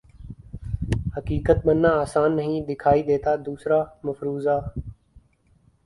حقیقت بننا آسان نہیں دکھائی دیتا دوسرا مفروضہ